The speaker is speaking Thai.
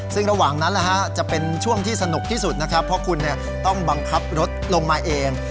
ซึ่งระหว่างนั้นจะเป็นช่วงที่สนุกที่สุดนะครับเพราะคุณต้องบังคับรถลงมาเอง